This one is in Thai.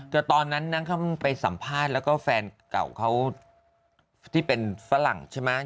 แต่ตอนนั้นนั่งไปสัมภาษณ์แล้วก็แฟนเก่าเขาที่เป็นฝรั่งใช่ไหม